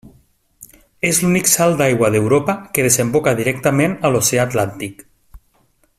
És l'únic salt d'aigua d'Europa que desemboca directament a l'Oceà Atlàntic.